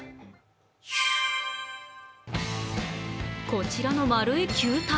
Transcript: こちらの丸い球体。